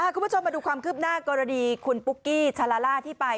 คุณผู้ชมมาดูความคืบหน้ากรณีคุณปุ๊กกี้ชาลาล่าที่ไป